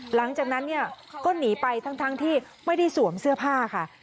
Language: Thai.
หลังจากนั้นเนี่ยก็หนีไปทั้งที่ไม่ได้สวมเสื้อผ้าค่ะ